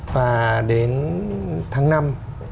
và đến tháng năm năm hai nghìn hai mươi